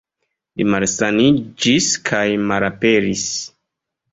Li malsaniĝis kaj malaperis.